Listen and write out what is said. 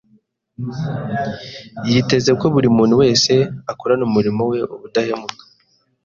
Yiteze ko buri muntu wese akorana umurimo we ubudahemuka.